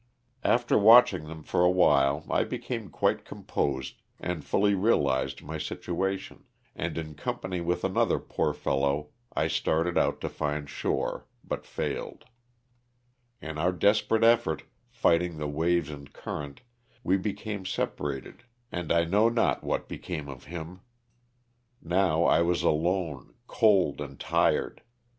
After watching them for awhile I became quite composed and fully realized my situation, and in company with another poor fellow I started out to find shore but failed. In our desperate Loss OF THE StJLTAlf A. ^13 effort, fighting the waves and current, we became sepa rated and I know not what became of him. Now I was alone, cold and tired.